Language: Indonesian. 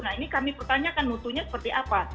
nah ini kami pertanyaan kan butuhnya seperti apa